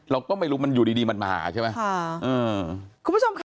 เราก็ไม่รู้มันอยู่ดีมันมาใช่ไหม